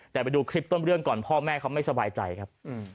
แต่ไปดูคลิปต้นเรื่องก่อนพ่อแม่เขาไม่สบายใจครับ